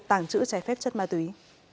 tàng trữ trái phép chất ma túy